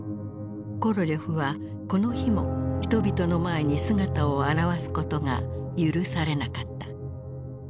コロリョフはこの日も人々の前に姿を現すことが許されなかった。